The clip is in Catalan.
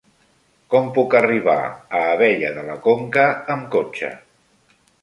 Com puc arribar a Abella de la Conca amb cotxe?